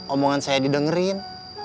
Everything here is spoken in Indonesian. omongan saya didengerin